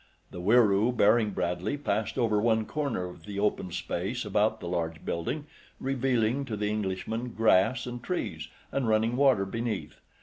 The Wieroo bearing Bradley passed over one corner of the open space about the large building, revealing to the Englishman grass and trees and running water beneath.